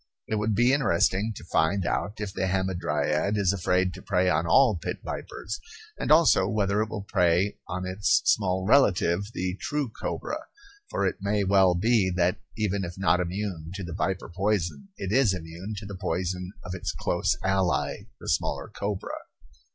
It would be interesting to find out if the hamadryad is afraid to prey on all pit vipers, and also whether it will prey on its small relative, the true cobra for it may well be that, even if not immune to the viper poison, it is immune to the poison of its close ally, the smaller cobra.